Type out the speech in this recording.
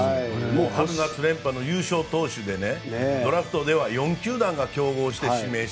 もう春夏連覇の優勝投手でドラフトでは４球団が競合した。